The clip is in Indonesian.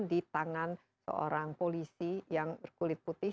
di tangan seorang polisi yang berkulit putih